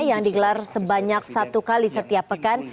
yang digelar sebanyak satu kali setiap pekan